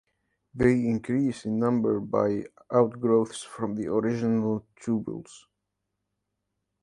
They increase in number by outgrowths from the original tubules.